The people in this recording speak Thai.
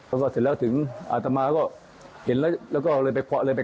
แล้วเสร็จแล้วอัธมาสุดแล้วก็เลยไปกั้นไว้